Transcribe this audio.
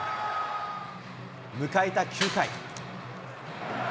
迎えた９回。